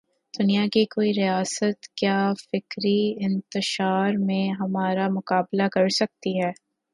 دنیا کی کوئی ریاست کیا فکری انتشار میں ہمارا مقابلہ کر سکتی ہے؟